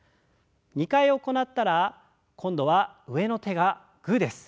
２回行ったら今度は上の手がグーです。